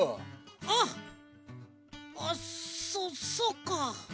あっあそそっか！